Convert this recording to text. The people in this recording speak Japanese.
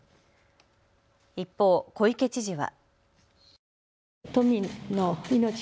一方、小池知事は。